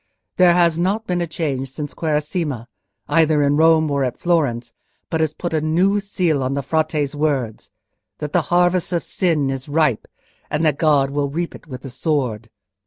There has not been a change since the Quaresima, either in Rome or at Florence, but has put a new seal on the Frate's words—that the harvest of sin is ripe, and that God will reap it with a sword."